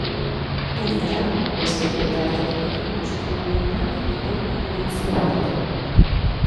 Gainera, beste bi ere artatu ditu industrigunera joan den anbulantzia batek.